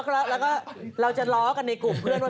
แล้วก็เราจะล้อกันในกลุ่มเพื่อนว่า